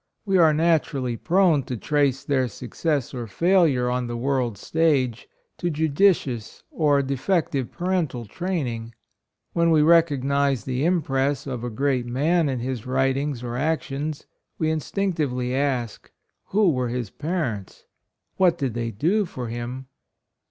— We are naturally prone to trace their success or failure, on the world's stage, to judicious or de 16 HIS MOTHER, PRINCESS AMELIA. 17 fective parental training. When we recognize the impress of a great man in his writings or actions, we instinctively ask — who were his parents? What did they do for him?